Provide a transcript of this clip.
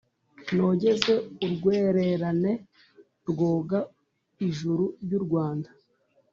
Nogeze urwererane, Rwoga ijuru ry'u Rwanda.